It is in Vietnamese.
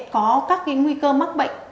có các nguy cơ mắc bệnh